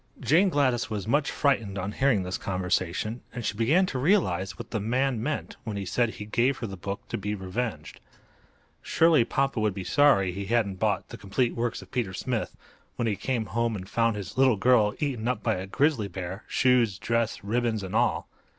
Jane Gladys was much frightened on hearing this conversation, and she began to realize what the man meant when he said he gave her the book to be revenged. Surely papa would be sorry he hadn't bought the "Complete Works of Peter Smith" when he came home and found his little girl eaten up by a grizzly bear—shoes, dress, ribbons and all!